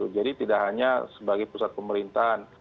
jadi tidak hanya sebagai pusat pemerintahan